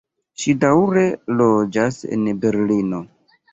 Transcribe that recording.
Ŝi daŭre loĝas en Berlino.